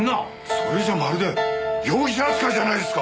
それじゃまるで容疑者扱いじゃないですか！